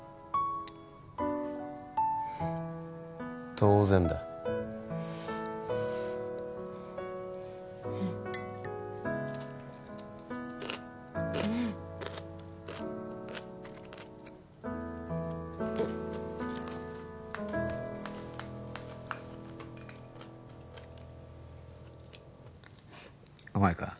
当然だうんうーんうまいか？